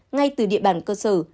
ngay từ địa bàn cơ sở